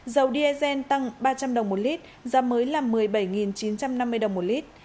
dầu diesel tăng ba trăm linh đồng một lít giá mới là một mươi bảy chín trăm năm mươi đồng một lít